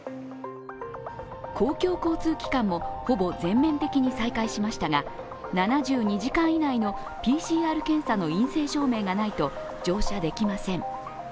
公共交通機関もほぼ全面的に再開しましたが、７２時間以内のＰＣＲ検査の陰性証明がないと乗車できません。